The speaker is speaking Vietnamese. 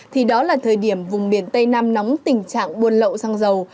thì đó là thời điểm vùng biển tây nam nóng tình trạng buôn lậu sang dầu